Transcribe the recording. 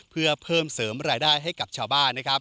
เพื่อเพิ่มเสริมรายได้ให้กับชาวบ้านนะครับ